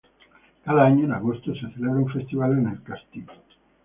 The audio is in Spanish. Cada año, en agosto se celebra un festival en el castillo.